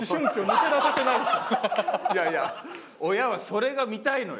いやいや親はそれが見たいのよ。